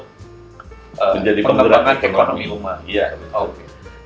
menjadi pengembangan ekonomi umat